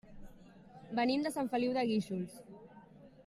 Venim de Sant Feliu de Guíxols.